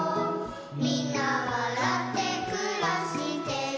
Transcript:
「みんなわらってくらしてる」